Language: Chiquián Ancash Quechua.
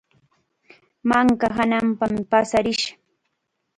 Manka hananpam paasarish.